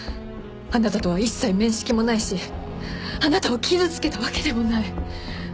あなたとは一切面識もないしあなたを傷つけたわけでもない。